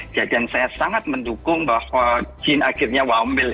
dan saya sangat mendukung bahwa jin akhirnya satu mil